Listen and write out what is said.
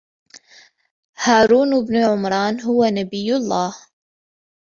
هارون بن عمران، هو نبي الله.